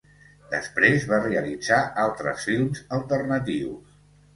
Després va realitzar altres films alternatius.